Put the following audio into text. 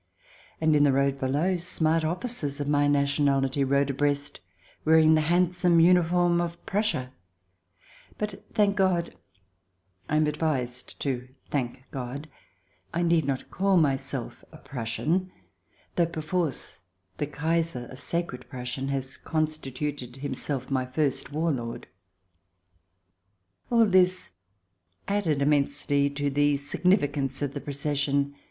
And in the road below smart officers of My nationality rode abreast, wearing the handsome uniform of Prussia ; but, thank God — I am advised to thank God — I need not call myself a Prussian, though, perforce, the Kaiser — a " sacred " Prussian — has constituted himself my First War Lord, All this added immensely to the significance of the Procession.